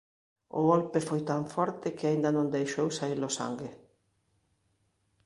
O golpe foi tan forte que aínda non deixou saí-lo sangue.